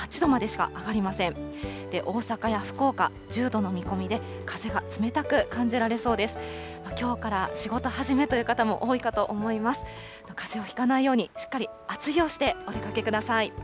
かぜをひかないように、しっかり厚着をしてお出かけください。